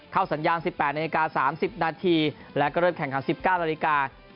สัญญาณ๑๘นาฬิกา๓๐นาทีแล้วก็เริ่มแข่งขัน๑๙นาฬิกา